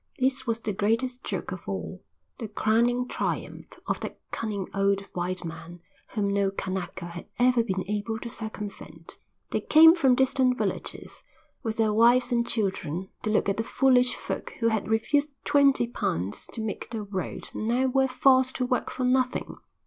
This was the greatest joke of all, the crowning triumph of that cunning old white man whom no Kanaka had ever been able to circumvent; and they came from distant villages, with their wives and children, to look at the foolish folk who had refused twenty pounds to make the road and now were forced to work for nothing.